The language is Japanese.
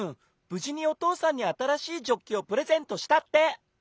ぶじにおとうさんにあたらしいジョッキをプレゼントしたって。